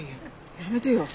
やめてよ。